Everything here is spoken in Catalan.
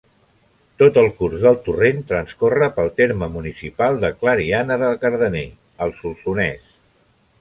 Tot el curs del torrent transcorre pel terme municipal de Clariana de Cardener, al Solsonès.